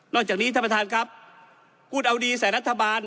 จากนี้ท่านประธานครับพูดเอาดีใส่รัฐบาล